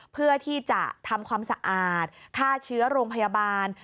เพื่อที่จะทำความสะอาดฆ่าเชื้อโรงพยาบาล